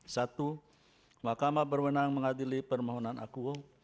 satu mahkamah berwenang mengadili permohonan akuo